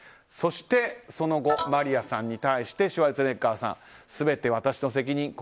そして、その後マリアさんに対してシュワルツェネッガーさんは全て私の責任。